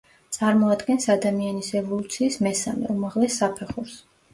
წარმოადგენს ადამიანის ევოლუციის მესამე, უმაღლეს საფეხურს.